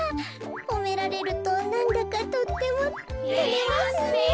ほめられるとなんだかとってもてれますねえ。